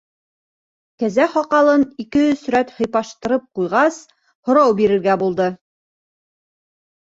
Кәзә һаҡалын ике-өс рәт һыйпаштырып ҡуйғас, һорау бирергә булды: